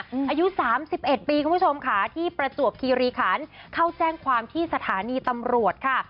อายุสามสิบเอ็ดปีคุณผู้ชมค่ะที่ประจวบคีรีขันเข้าแจ้งความที่สถานีตำรวจค่ะ